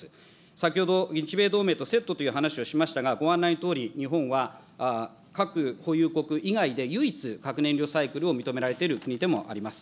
先ほど日米同盟とセットという話をしましたが、ご案内のとおり、日本は核保有国以外で唯一、核燃料サイクルを認められている国でもあります。